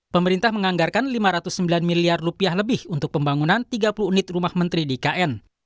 pemerintah menganggarkan lima ratus sembilan miliar lebih untuk pembangunan tiga puluh unit rumah menteri di ikn